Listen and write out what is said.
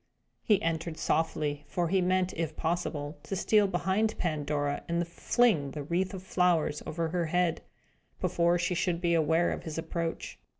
He entered softly, for he meant, if possible, to steal behind Pandora, and fling the wreath of flowers over her head, before she should be aware of his approach.